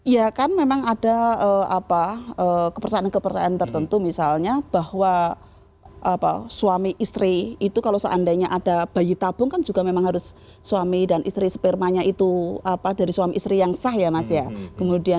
ya kan memang ada kepercayaan kepercayaan tertentu misalnya bahwa suami istri itu kalau seandainya ada bayi tabung kan juga memang harus suami dan istri spermanya itu dari suami istri yang sah ya mas ya